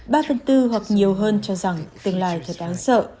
ba phần tư hoặc nhiều hơn cho rằng tương lai thật đáng sợ